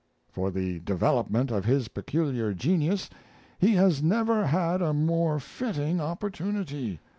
For the development of his peculiar genius he has never had a more fitting opportunity.